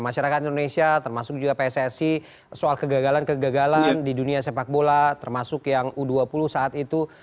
masyarakat indonesia termasuk juga pssi soal kegagalan kegagalan di dunia sepak bola termasuk yang u dua puluh saat itu